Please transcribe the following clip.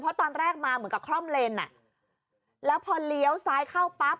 เพราะตอนแรกมาเหมือนกับคล่อมเลนอ่ะแล้วพอเลี้ยวซ้ายเข้าปั๊บ